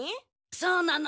そうなの。